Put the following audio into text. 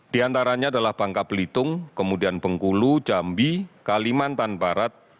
di antaranya adalah bangka belitung kemudian bengkulu jambi kalimantan barat